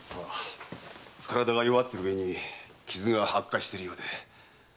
体が弱っているうえに傷が悪化しているようで。